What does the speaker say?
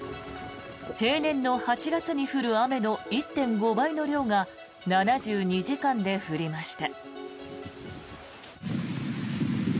平年の８月に降る雨の１．５倍の量が７２時間で降りました。